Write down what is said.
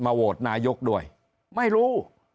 โหวตนายกด้วยไม่รู้